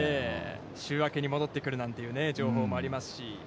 週明けに戻ってくるなんて情報もありますし。